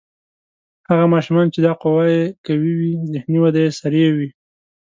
هغه ماشومان چې دا قوه یې قوي وي ذهني وده یې سریع وي.